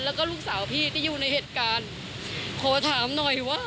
แล้วก็ลูกสาวพี่ที่อยู่ในเหตุการณ์